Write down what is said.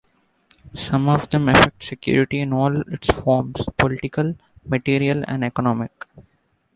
Some of them affect security in all its forms: political, material and economic.